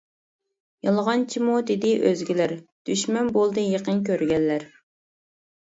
يالغانچىمۇ دېدى ئۆزگىلەر، دۈشمەن بولدى يېقىن كۆرگەنلەر.